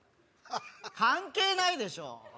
関係ないでしょ